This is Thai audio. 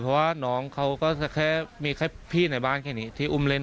เพราะว่าน้องเขาก็จะแค่มีแค่พี่ในบ้านแค่นี้ที่อุ้มเล่น